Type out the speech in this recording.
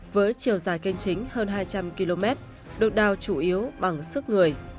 với chiều dài kênh chính hơn hai trăm linh km được đào chủ yếu bằng sức người